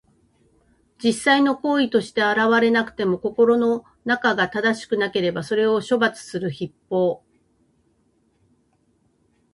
実際の行為として現れなくても、心の中が正しくなければ、それを処罰する筆法。